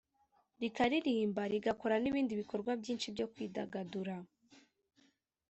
rikaririmba rigakora n’ibindi bikorwa byinshi byo kwidagadura